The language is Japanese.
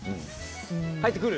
入ってくる？